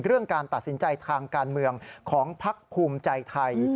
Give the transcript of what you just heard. เรื่องการตัดสินใจทางการเมืองของพักภูมิใจไทย